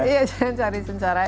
jangan cari sengsara